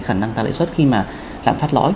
khả năng tăng lãi suất khi mà lạm phát lõi